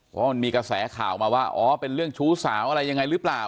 เพราะมันมีกระแสข่าวมาว่าอ๋อเป็นเรื่องชู้สาวอะไรยังไงหรือเปล่า